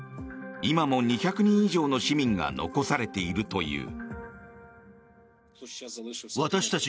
今も２００人以上の市民が残されているという。